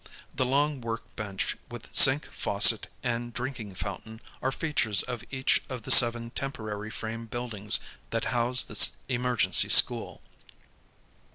The long w'ork bench with sink, faucet, and drinking fountain are features of each of the seven temporary frame buildings that house this emergency school.